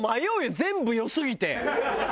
全部良すぎて。